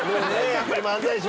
やっぱり漫才師は。